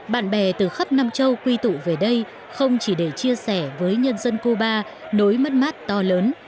bạn bè từ khắp nam châu quy tụ về đây không chỉ để chia sẻ với nhân dân cuba nỗi mất mát to lớn